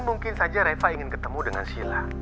dan mungkin saja reva ingin ketemu dengan sila